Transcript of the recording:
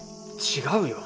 違うよ。